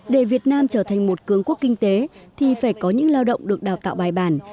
để việt nam trở thành một cường quốc kinh tế thì phải có những lao động được đào tạo bài bản